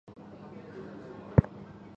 刚刺杜鹃为杜鹃花科杜鹃属下的一个种。